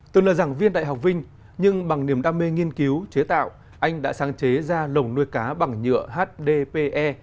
từ lời giảng viên đại học vinh nhưng bằng niềm đam mê nghiên cứu chế tạo anh đã sáng chế ra lồng nuôi cá bằng nhựa hdpe